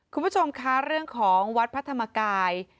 คุณผู้ชมคะเรื่องของวัดพระธรรมกาย